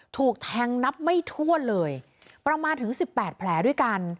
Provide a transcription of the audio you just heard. ถูกแทงนับไม่ทั่วเลยประมาณถึงสิบแปดแผลด้วยกัน